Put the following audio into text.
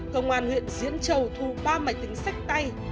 công an huyện diễn châu thu ba máy tính sách tay